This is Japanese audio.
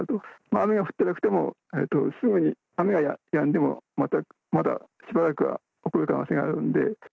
雨が降ってなくても、すぐに雨はやんでも、まだしばらくは起きる可能性があるので。